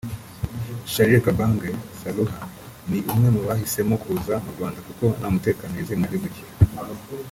Charles Kabange Syaluha ni umwe mu bahisemo kuza mu Rwanda kuko nta mutekano yizeye mu gihugu cye